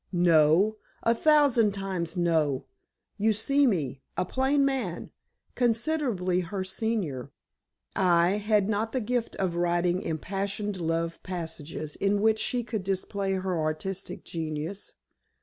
No—a thousand times no! You see me, a plain man, considerably her senior. I had not the gift of writing impassioned love passages in which she could display her artistic genius.